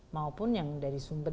maupun yang dari sumber